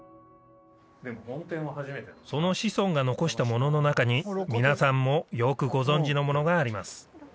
その子孫が残したものの中に皆さんもよくご存じのものがあります